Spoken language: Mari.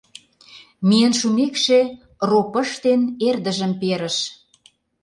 Миен шумекше, роп ыштен, эрдыжым перыш.